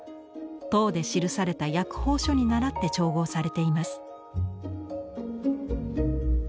唐で記された薬方書にならって調合されています。